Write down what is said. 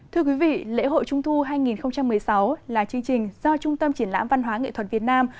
thưa quý vị lễ hội trung thu hai nghìn một mươi sáu là chương trình do trung tâm triển lãm văn hóa nghệ thuật việt nam